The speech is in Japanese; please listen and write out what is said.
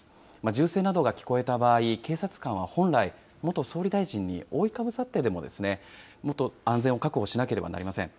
銃声などが聞こえた場合、警察官は本来、元総理大臣に覆いかぶさってでも、安全を確保しなければなりません。